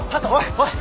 おい。